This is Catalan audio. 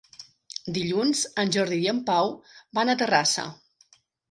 Dilluns en Jordi i en Pau van a Terrassa.